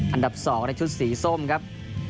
อันดับ๒ในชุดสีส้มครับ